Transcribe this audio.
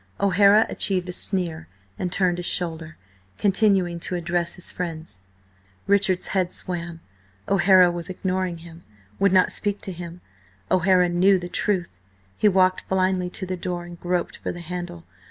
O'Hara achieved a sneer and turned his shoulder, continuing to address his friends. Richard's head swam. O'Hara was ignoring him, would not speak to him. ... O'Hara knew the truth! He walked blindly to the door, and groped for the handle.